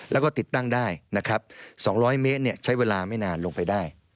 แล้วก็ติดตั้งได้นะครับ๒๐๐เมตรใช้เวลาไม่นานลงไปได้